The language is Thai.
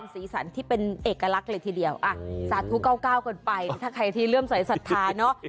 สีสันที่เป็นเอกลักษณ์เลยทีเดียวสาธุ๙๙กันไปถ้าใครที่เริ่มใส่ศรัทธาเนอะ